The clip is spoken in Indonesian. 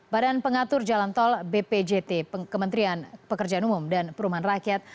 badan pengatur jalan tol bpjt kementerian pekerjaan umum dan perumahan rakyat